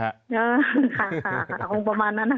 ค่ะค่ะค่ะคงประมาณนั้นนะค่ะ